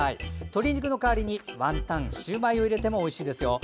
鶏肉の代わりにワンタン、シューマイを入れてもおいしいですよ。